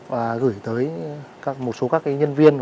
và gửi tới một số các nhân viên